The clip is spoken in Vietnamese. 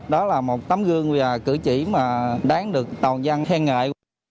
đó là một tấm gương và cử chỉ mà đáng được tàu dân khen ngại